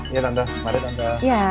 iya tante mari tante